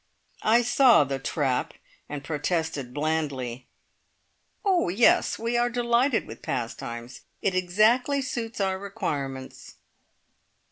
I saw the trap, and protested blandly. "Oh, yes! We are delighted with Pastimes. It exactly suits our requirements."